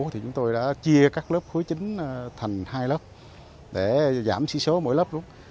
thì chúng tôi đã chia các lớp khối chính thành hai lớp để giảm sỉ số mỗi lớp